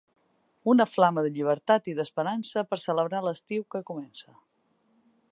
Una flama de llibertat i d'esperança per celebrar l'estiu que comença.